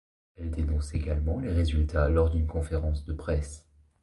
Elle dénonce également les résultats lors d'une conférence de presse.